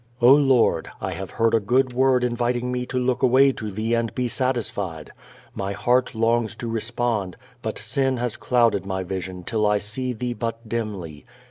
" _O Lord, I have heard a good word inviting me to look away to Thee and be satisfied. My heart longs to respond, but sin has clouded my vision till I see Thee but dimly.